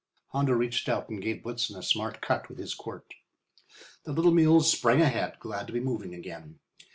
Hondo reached out and gave Blitzen a smart cut with his quirt. The little mules sprang ahead, glad to be moving again.